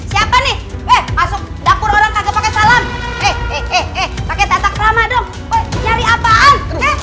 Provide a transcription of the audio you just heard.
ini masuk dapur orang kaget pake salam eh eh eh eh pakai tetak lama dong nyari apaan